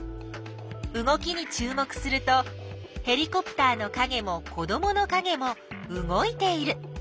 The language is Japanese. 動きにちゅう目するとヘリコプターのかげも子どものかげも動いている。